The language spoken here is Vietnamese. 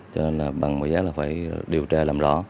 cho nên là bằng cái giá là phải điều tra làm rõ